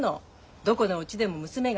どこのうちでも娘がね